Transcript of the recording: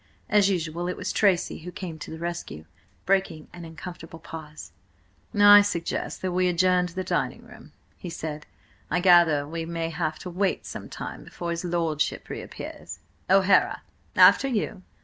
As usual, it was Tracy who came to the rescue, breaking an uncomfortable pause. "I suggest that we adjourn to the dining room," he said. "I gather we may have to wait some time before his lordship reappears. O'Hara, after you!"